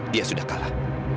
dia sudah kalah